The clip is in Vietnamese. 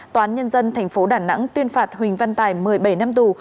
toán nhân dân tp đà nẵng tuyên phạt huỳnh văn tài một mươi bảy năm tù